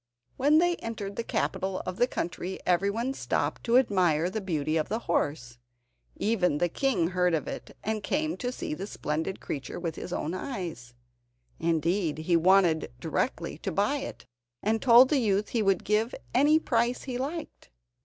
When they entered the capital of the country everyone stopped to admire the beauty of the horse. Even the king heard of it, and came to see the splendid creature with his own eyes. Indeed, he wanted directly to buy it, and told the youth he would give any price he liked.